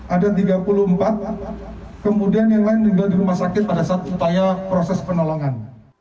ada tiga puluh empat kemudian yang lain meninggal di rumah sakit pada saat upaya proses penolongan